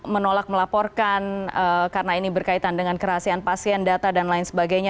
menolak melaporkan karena ini berkaitan dengan kerahasiaan pasien data dan lain sebagainya